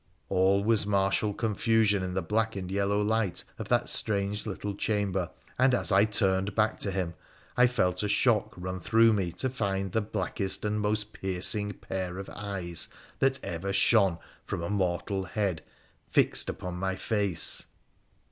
All was martial confusion in the black and yellow light of that strange little chamber, and as I turned back to him I felt a shock run through me to find the blackest and most piercing pair of eyes that ever shone from a mortal head fixed upon my face.